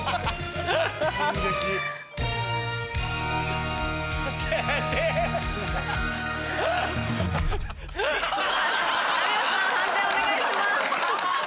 判定お願いします。